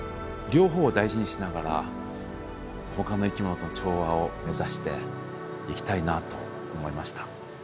両方を大事にしながらほかの生き物との調和を目指していきたいなと思いました。